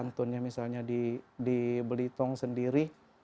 contohnya misalnya di belitung sendiri